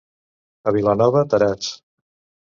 A Vilanova, tarats.